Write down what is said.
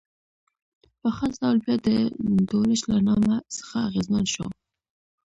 په خاص ډول بیا د دولچ له نامه څخه اغېزمن شو.